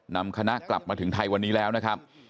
นำคณะกลับมาถึงไทยวันนี้แล้วนะครับ